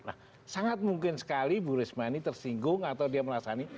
nah sangat mungkin sekali bu risma ini tersinggung atau dia merasa ini